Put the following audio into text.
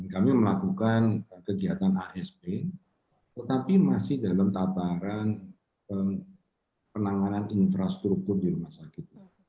kami melakukan kegiatan asp tetapi masih dalam tataran penanganan infrastruktur di rumah sakit